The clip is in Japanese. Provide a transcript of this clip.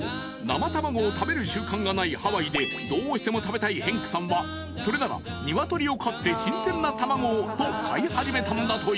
生卵を食べる習慣がないハワイでどうしても食べたいヘンクさんはそれなら鶏を飼って新鮮な卵をと飼い始めたんだという］